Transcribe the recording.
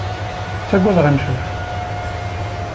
Ttagadeɣ imcac.